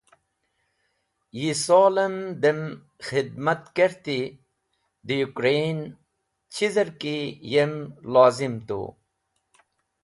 Yi solem dem khidmat kerti dẽ Yukreyn (Ukraine), chizer ki yem lozim tu.